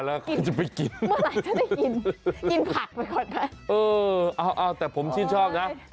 เออเอาแต่ผมชื่นชอบนะ